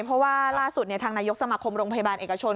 เพราะว่าล่าสุดทางนายกสมาคมโรงพยาบาลเอกชน